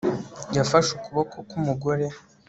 yafashe ukuboko k'umugore